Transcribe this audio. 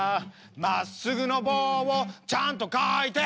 「まっすぐの棒をちゃんと描いて！」